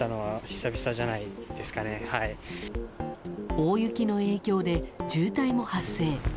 大雪の影響で渋滞も発生。